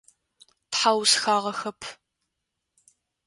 Тхьаусхагъэхэп.